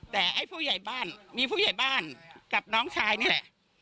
แต่ไอ้ผู้ใหญ่บ้านมีผู้ใหญ่บ้านกับน้องชายนี่แหละ